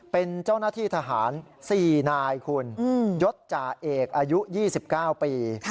เป็นเจ้าหน้าที่ทหาร๔นายคุณยศจ่าเอกอายุ๒๙ปี